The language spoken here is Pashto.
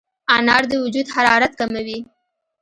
انار د وجود حرارت کموي.